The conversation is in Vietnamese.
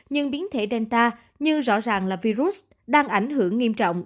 nhưng biến thể delta như rõ ràng là virus đang ảnh hưởng nghiêm trọng